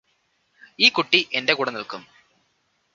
ഈ കുട്ടി എന്റെ കൂടെ നില്ക്കും